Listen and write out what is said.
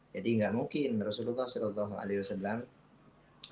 jadi gak mungkin rasulullah saw